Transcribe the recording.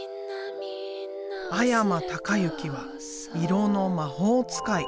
阿山隆之は色の魔法使い。